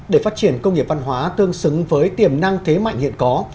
để phát triển công nghiệp văn hóa tương xứng với tiềm năng thế mạnh hiện có